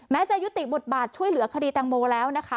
จะยุติบทบาทช่วยเหลือคดีแตงโมแล้วนะคะ